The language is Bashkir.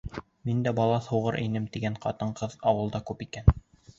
Мин дә балаҫ һуғыр инем тигән ҡатын-ҡыҙ ауылда күп икән.